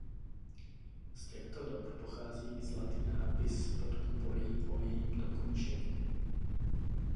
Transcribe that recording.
Z těchto dob pochází i zlatý nápis pod kupolí o jejím dokončení.